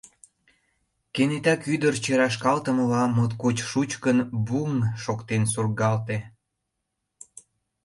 Кенета кӱдырчӧ рашкалтымыла моткоч шучкын бу-уҥ! шоктен сургалте.